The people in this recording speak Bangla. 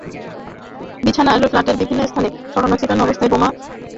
বিছানাসহ ফ্ল্যাটের বিভিন্ন স্থানে ছড়ানো-ছিটানো অবস্থায় বোমার নানা সরঞ্জাম পাওয়া গেছে।